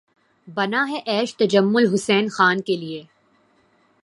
بنا ہے عیش تجمل حسین خاں کے لیے